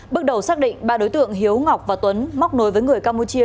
bước đầu xác định ba đối tượng hiếu ngọc và tuấn móc nối với người campuchia